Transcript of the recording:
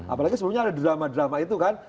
apalagi sebelumnya ada drama drama itu kan